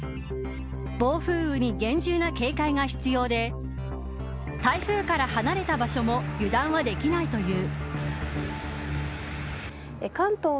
暴風雨に厳重な警戒が必要で台風から離れた場所も油断はできないという。